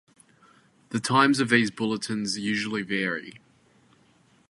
The times of these bulletins usually vary.